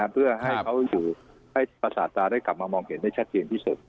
เพื่อให้เขาให้ประสาทตาได้กลับมามองเห็นได้ชัดเจนที่สุด